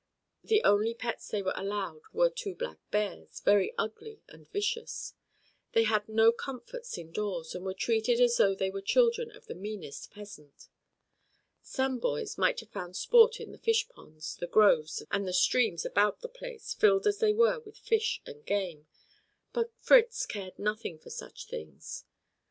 The only pets they were allowed were two black bears, very ugly and vicious. They had no comforts indoors, and were treated as though they were children of the meanest peasant. Some boys might have found sport in the fish ponds, the groves and the streams about the place, filled as they were with fish and game, but Fritz cared nothing for such things.